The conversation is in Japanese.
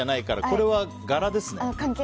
これは柄ですね。